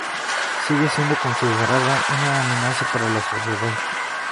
Sigue siendo considerada "una amenaza para la sociedad".